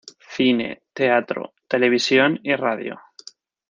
Cine, Teatro, Televisión y Radio